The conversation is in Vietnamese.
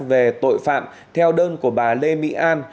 về tội phạm theo đơn của bà lê mỹ an